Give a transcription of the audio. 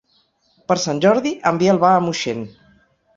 Per Sant Jordi en Biel va a Moixent.